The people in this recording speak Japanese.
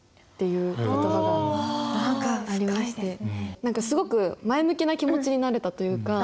何かすごく前向きな気持ちになれたというか。